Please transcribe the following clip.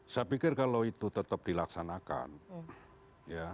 saya pikir kalau itu tetap dilaksanakan ya